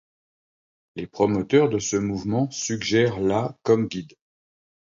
Les promoteurs de ce mouvement suggèrent la comme guide.